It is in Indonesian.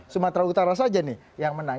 sumatera utara saja nih yang menang